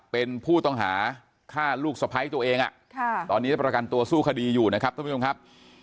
เป็นผู้ต้องหาฆ่าลูกสะพ้ายตัวเองตอนนี้ได้ประกันตัวสู้คดีอยู่นะครับท่านผู้ชมครับ